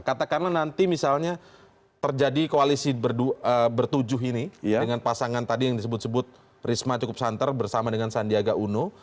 katakanlah nanti misalnya terjadi koalisi bertujuh ini dengan pasangan tadi yang disebut sebut risma cukup santer bersama dengan sandiaga uno